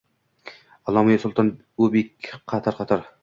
Аlloma-yu, sulton-u bek qator-qator.